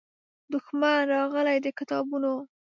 دښمن راغلی د کتابونو